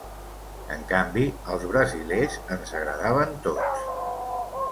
En canvi, els brasilers ens agradaven tots.